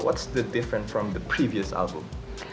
jadi apa perbedaan dari album sebelumnya